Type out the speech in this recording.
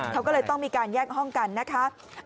เขาก็เลยต้องมีการแยกห้องกันนะคะ